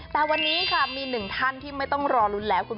แต่ว่าแนะนำให้ท่องก่อนเที่ยง